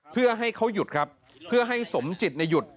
เพื่อให้เขาหยุดครับเพื่อให้สมจิตหยุด